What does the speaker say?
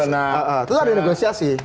tentu ada negosiasi